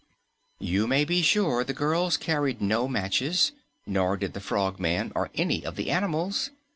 You may be sure the girls carried no matches, nor did the Frogman or any of the animals.